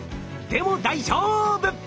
でも大丈夫！